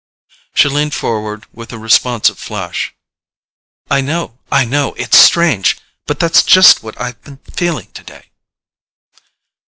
She leaned forward with a responsive flash. "I know—I know—it's strange; but that's just what I've been feeling today."